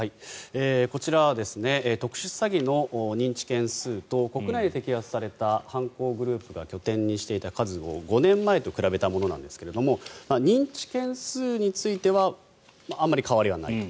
こちらは特殊詐欺の認知件数と国内で摘発された犯行グループが拠点にしていた数を５年前と比べたものなんですが認知件数についてはあまり変わりはないと。